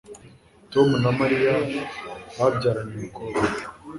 Tom na Mariya babyaranye umukobwa